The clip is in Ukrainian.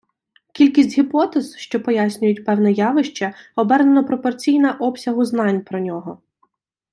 Кількість гіпотез, що пояснюють певне явище, обернено пропорційна обсягу знань про нього.